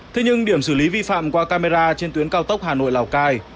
thế nhưng điểm xử lý vi phạm qua camera trên tuyến cao tốc hà nội lào cai